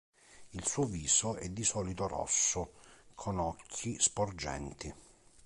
Il suo viso è di solito rosso con occhi sporgenti.